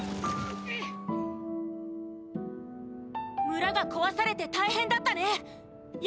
村が壊されて大変だったねっ！